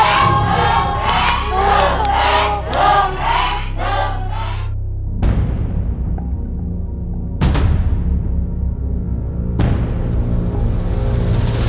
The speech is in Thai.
๑แสนบาท